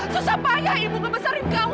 susah payah ibu membesarin kamu